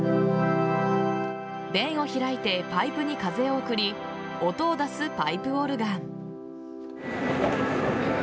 弁を開いてパイプに風を送り音を出すパイプオルガン。